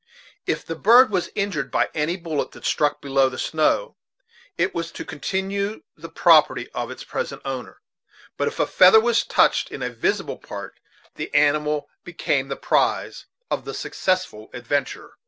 If the bird was injured by any bullet that struck below the snow, it was to continue the property of its present owner; but if a feather was touched in a visible part, the animal became the prize of the successful adventurer.